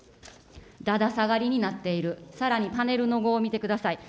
だだ下がりになっている、さらにパネルの５、見てください。